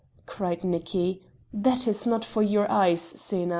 cried Nicki, "that is not for your eyes, Xena."